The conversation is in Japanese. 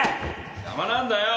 邪魔なんだよ。